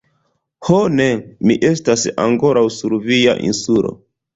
Ho ne, mi estas ankoraŭ sur via Insulo...